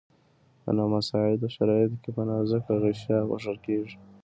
په نامساعدو شرایطو کې په نازکه غشا پوښل کیږي.